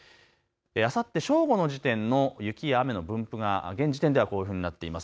あさって正午の時点の雪や雨の分布が現時点ではこのようになっています。